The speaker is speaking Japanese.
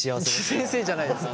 先生じゃないです。